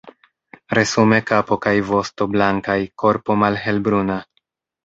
Resume kapo kaj vosto blankaj, korpo malhelbruna.